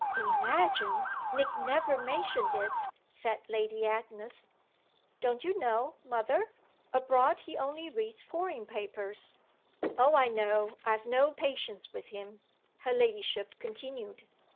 "Imagine Nick never mentioned it!" said Lady Agnes. "Don't you know, mother? abroad he only reads foreign papers." "Oh I know. I've no patience with him," her ladyship continued.